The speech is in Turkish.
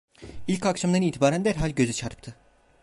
İlk akşamdan itibaren derhal göze çarptı.